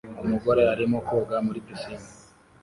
Umugore arimo koga muri pisine